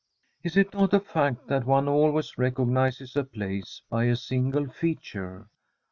Is it not a fact that one always recognises a place by a single feature